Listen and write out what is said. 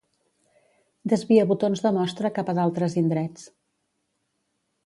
Desvia botons de mostra cap a d'altres indrets.